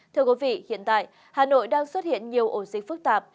thưa quý vị hiện tại hà nội đang xuất hiện nhiều ổ dịch phức tạp